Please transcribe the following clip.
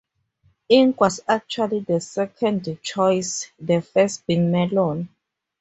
Ink was actually the second choice, the first being "Melon".